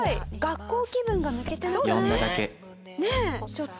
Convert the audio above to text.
ちょっと。